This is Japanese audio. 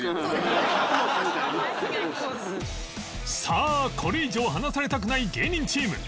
さあこれ以上離されたくない芸人チーム